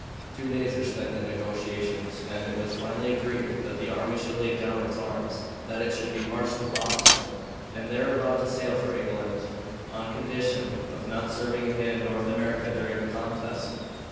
Two days were spent in negotiations, and it was finally agreed that the army should lay down its arms and that it should be marched to Boston, and there allowed to sail for England on condition of not serving again in North America during the contest.